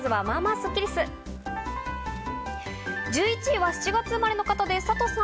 １１位は７月生まれの方です、サトさん。